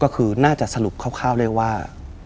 คือน่าจะสรุปคร่าวเลยว่า